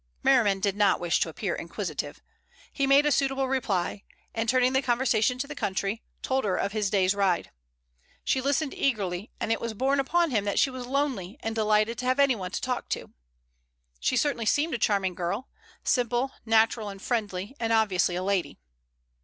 Merriman did not wish to appear inquisitive. He made a suitable reply and, turning the conversation to the country, told her of his day's ride. She listened eagerly, and it was borne in upon him that she was lonely, and delighted to have anyone to talk to. She certainly seemed a charming girl, simple, natural and friendly, and obviously a lady.